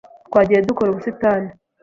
Twagiye dukora ubusitani.